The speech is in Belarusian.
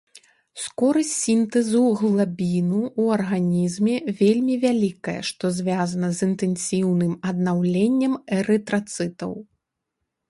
Скорасць сінтэзу глабіну ў арганізме вельмі вялікая, што звязана з інтэнсіўным аднаўленнем эрытрацытаў.